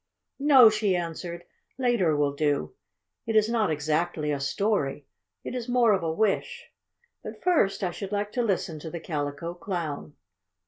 "No," she answered. "Later will do. It is not exactly a story it is more of a wish. But first I should like to listen to the Calico Clown."